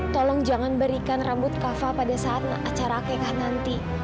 tolong jangan berikan rambut kafa pada saat acara akekah nanti